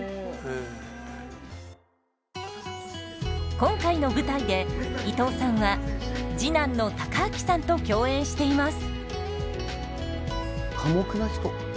今回の舞台で伊東さんは次男の孝明さんと共演しています。